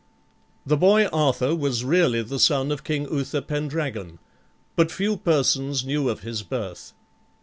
The boy Arthur was really the son of King Uther Pendragon, but few persons knew of his birth.